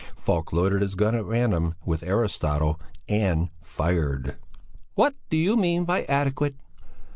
Falk loaded his gun at random with Aristotle and fired. "What do you mean by adequate?